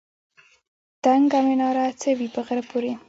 دنګه مناره څه وي په غره پورې.